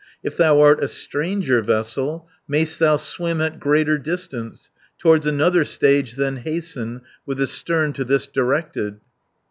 If thou art a stranger vessel, May'st thou swim at greater distance, Towards another stage then hasten, With the stern to this directed."